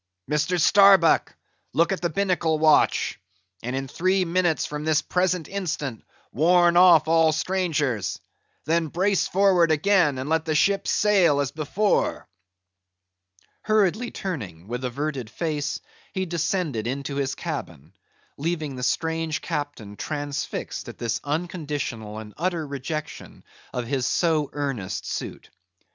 Mr. Starbuck, look at the binnacle watch, and in three minutes from this present instant warn off all strangers: then brace forward again, and let the ship sail as before." Hurriedly turning, with averted face, he descended into his cabin, leaving the strange captain transfixed at this unconditional and utter rejection of his so earnest suit.